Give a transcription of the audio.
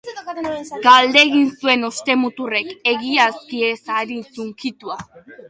Galdegin zuen Ostemuturrek, egiazki ez anitz hunkitua.